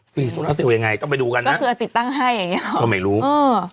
โซลาเซลยังไงต้องไปดูกันนะคือติดตั้งให้อย่างเงี้ก็ไม่รู้เออ